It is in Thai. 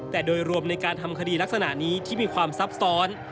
แต่โดยรวมในการทำคดีลักษณะนี้ที่มีความซับซ้อน